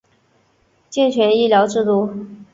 健全医疗制度